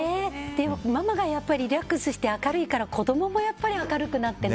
ママがリラックスして明るいから子供も明るくなってね。